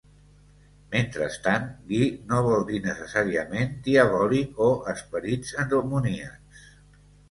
Mentrestant, "gui" no vol dir necessàriament "diabòlic" o esperits demoníacs.